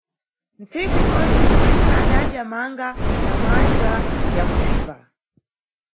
Ntsiku ibodzi Zinya adadya manga na manja ya kusvipa.